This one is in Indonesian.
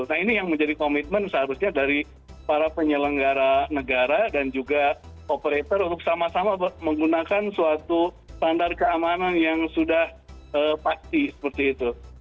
nah ini yang menjadi komitmen seharusnya dari para penyelenggara negara dan juga operator untuk sama sama menggunakan suatu standar keamanan yang sudah pasti seperti itu